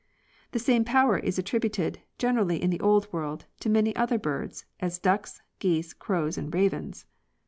Smith). The same power is attributed, gener ally in the Old World, to many other birds, as ducks, geese, crowsand ravens.